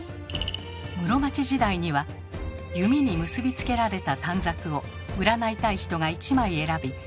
室町時代には弓に結び付けられた短冊を占いたい人が１枚選び